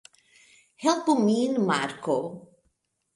Helpu min, Marko!